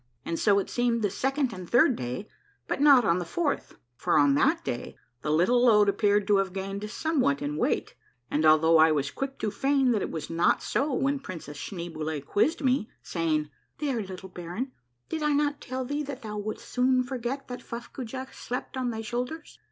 And so it seemed the second and the third day, but not on the fourth ; for on that day the little load appeared to have gained somewhat in weight, and although I was quick to feign that it was not so when Princess Schneeboule quizzed me saying, —" There, little baron, did I not tell thee that thou wouldst soon forget that Fuffcoojah slept upon thy shoulders?"